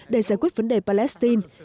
để giải quyết vấn đề palestine